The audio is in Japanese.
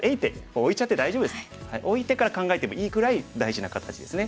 置いてから考えてもいいくらい大事な形ですね。